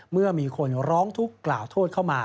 เมื่อมีคนร้องทุกข์กล่าวโทษเข้ามา